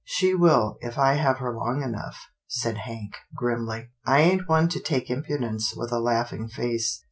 " She will, if I have her long enough," said Hank, grimly. " I ain't one to take impudence with a laughing face.